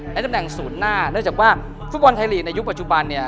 ตำแหน่งศูนย์หน้าเนื่องจากว่าฟุตบอลไทยลีกในยุคปัจจุบันเนี่ย